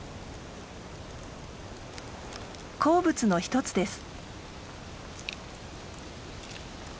好物の一つです。